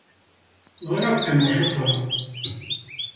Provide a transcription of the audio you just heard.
Bɣiɣ ad qqimeɣ cwiṭ da.